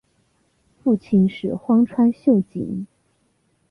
父亲是荒川秀景。